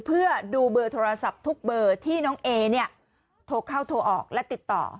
เพื่อดูเบอร์โทรศัพท์ทุกเบอร์ที่น้องเอเนี่ยโทรเข้าโทรออกและติดต่อ